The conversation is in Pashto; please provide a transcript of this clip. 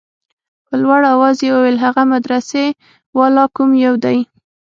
په لوړ اواز يې وويل هغه مدرسې والا کوم يو دى.